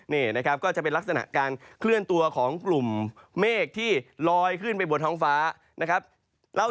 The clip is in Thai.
นี่นะครับก็จะเป็นลักษณะการเคลื่อนตัวของกลุ่มเมฆที่ลอยขึ้นไปบนท้องฟ้านะครับ